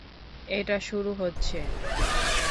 এটা শুরু হচ্ছে?